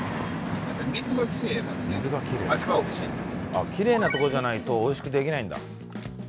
あっキレイなとこじゃないとおいしくできないんだ。